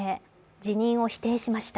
辞任を否定しました。